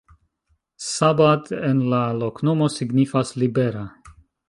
Szabad en la loknomo signifas: libera.